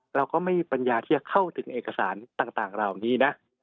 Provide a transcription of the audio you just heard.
เราก็ไม่มีปัญญาที่จะเข้าถึงเอกสารต่างเหล่านี้นะ